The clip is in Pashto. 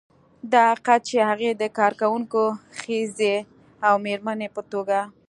دا حقیقت چې هغې د کارکونکې ښځې او مېرمنې په توګه